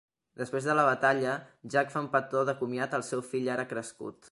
Després de la batalla, Jack fa un petó de comiat al seu fill ara crescut.